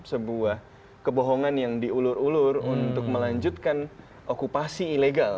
sebuah kebohongan yang diulur ulur untuk melanjutkan okupasi ilegal